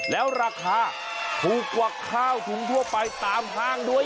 แล้วราคาถูกกว่าข้าวถุงทั่วไปตามห้างด้วย